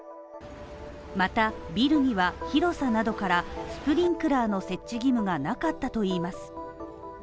また、ビルには広さなどからスプリンクラーの設置義務がなかったといいます。